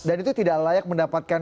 dan itu tidak layak mendapatkan